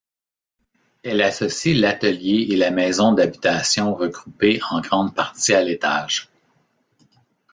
Elle associe l'atelier et la maison d'habitation regroupée en grande partie à l'étage.